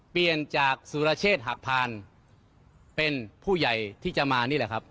เปลี่ยนจากสุรเชษฐหักพานเป็นผู้ใหญ่ที่จะมานี่แหละครับ